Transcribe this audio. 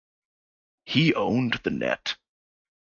He owned the 'net'.